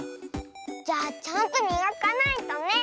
じゃあちゃんとみがかないとね。